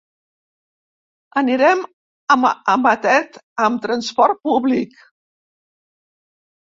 Anirem a Matet amb transport públic.